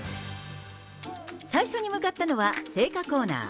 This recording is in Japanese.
最初に向かったのは、青果コーナー。